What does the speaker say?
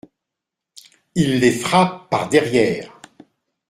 Il les frappe par derrière.